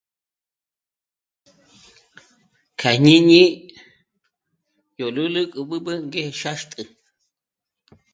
Kja jñíni yó lúlu k'ó b'ǚb'ü ngé xâxtjü